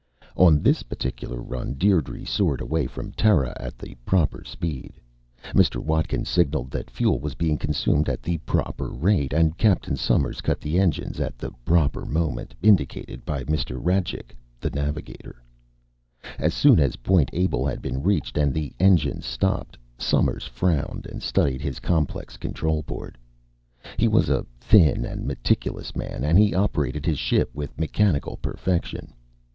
On this particular run, Dierdre soared away from Terra at the proper speed; Mr. Watkins signaled that fuel was being consumed at the proper rate; and Captain Somers cut the engines at the proper moment indicated by Mr. Rajcik, the navigator. As soon as Point Able had been reached and the engines stopped, Somers frowned and studied his complex control board. He was a thin and meticulous man, and he operated his ship with mechanical perfection.